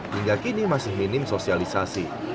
hingga kini masih minim sosialisasi